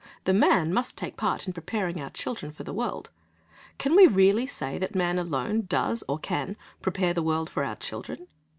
The man must take part in preparing our children for the world. Can we really say that man alone does or can prepare the world for our children?